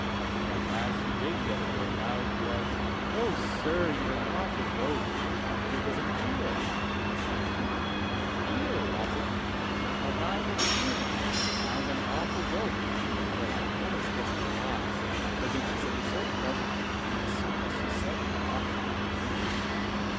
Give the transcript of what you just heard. When at last she did get a word out, it was, "Oh! sir, you're an awful gowk. It was an eel." An eel, was it! The cravat was an eel! And I was "an awful gowk!" Well, I always guessed I was; but then she said it so pleasantly, and as soon as she said it off she went again.